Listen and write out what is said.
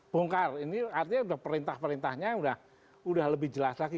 bongkar ini artinya sudah perintah perintahnya sudah lebih jelas lagi